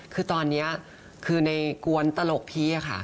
คือตอนนี้คือในกวนตลกพี่ค่ะ